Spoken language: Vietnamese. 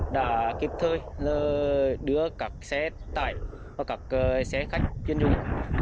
đã kịp thời đưa các xe tải và các xe khách chuyên dụng